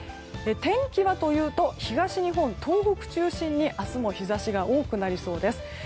天気はというと東日本、東北中心に明日も日差しが多くなりそうです。